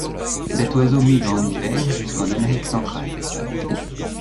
Cet oiseau migre en hiver jusqu'en Amérique centrale.